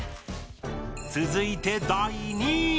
続いて、第２位。